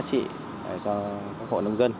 cho các hộ nông dân